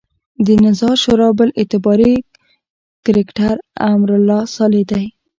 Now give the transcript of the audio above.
د نظار شورا بل اعتباري کرکټر امرالله صالح دی.